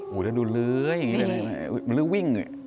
โหแล้วดูเลยมันเรื่องวิ่ง